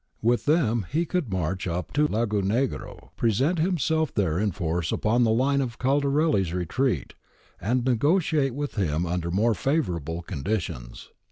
With them he could march up to Lagonegro, present himself there in force upon th<e line of Caldarelli's retreat, and negotiate with him under more favourable conditions.